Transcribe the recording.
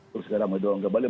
terus sekarang mendoang kembali